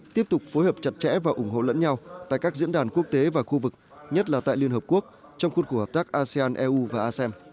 tiếp tục phối hợp chặt chẽ và ủng hộ lẫn nhau tại các diễn đàn quốc tế và khu vực nhất là tại liên hợp quốc trong khuôn cổ hợp tác asean eu và asem